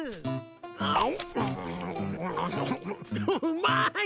うまい。